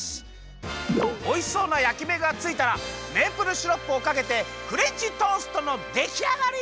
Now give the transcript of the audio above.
おいしそうなやきめがついたらメープルシロップをかけてフレンチトーストのできあがり！